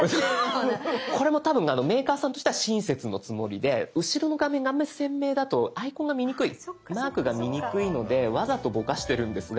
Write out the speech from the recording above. これも多分メーカーさんとしては親切のつもりで後ろの画面があんまり鮮明だとアイコンが見にくいマークが見にくいのでわざとボカしてるんですが。